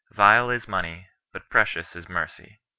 Vile is money, but precious is mercy."